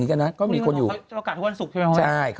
เดี๋ยวขั้นรูกระโยค